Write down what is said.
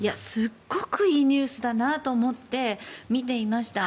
すごくいいニュースだなと思って見ていました。